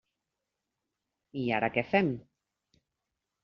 I ara què fem?